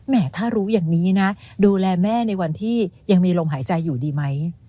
ถ้ารู้อย่างนี้นะดูแลแม่ในวันที่ยังมีลมหายใจอยู่ดีไหม